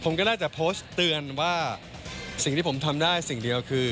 ผมก็ได้แต่โพสต์เตือนว่าสิ่งที่ผมทำได้สิ่งเดียวคือ